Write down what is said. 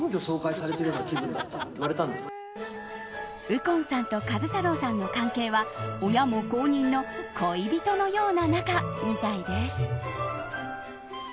右近さんと壱太郎さんの関係は親も公認の恋人のような仲みたいです。